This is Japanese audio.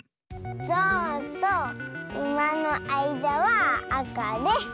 ゾウとウマのあいだはあかで。